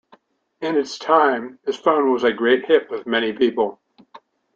In its time, this phone was a great hit with many people.